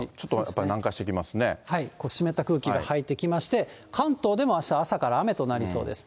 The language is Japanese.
辺り、湿った空気が入ってきまして、関東でもあした朝から雨となりそうです。